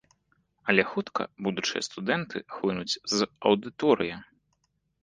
Але хутка будучыя студэнты хлынуць з аўдыторыі.